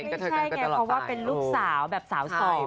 ไม่ใช่ไงเพราะว่าเป็นลูกสาวแบบสาวสอง